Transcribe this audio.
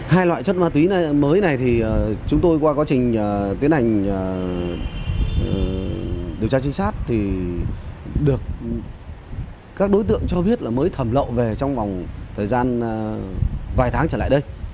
hai loại chất ma túy mới này thì chúng tôi qua quá trình tiến hành điều tra trinh sát thì được các đối tượng cho biết là mới thẩm lậu về trong vòng thời gian vài tháng trở lại đây